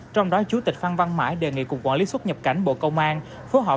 trong đó chủ tịch phan văn mãi đề nghị cục quản lý xuất nhập cảnh bộ công an phối hợp